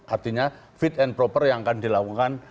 artinya fit and proper yang akan dilakukan